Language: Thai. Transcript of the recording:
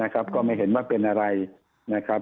ก็ไม่เห็นว่าเป็นอะไรนะครับ